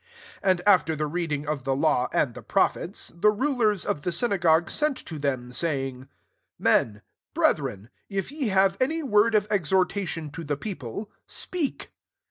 15 And aflei* the reading of the law and the prophets, the rulers of the synagogue sent to them, saying, «*Men, brethren, if ye have any word of exhortation to the people, speak."